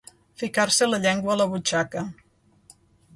Ficar-se la llengua a la butxaca.